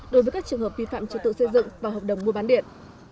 đối với các trường hợp vi phạm trật tự xây dựng và hợp đồng mua bán điện